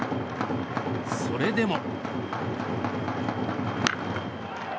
それでも。